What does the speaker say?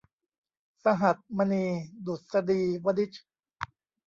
สหัสมณี ดุษฎีวนิช